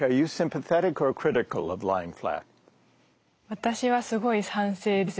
私はすごい賛成です。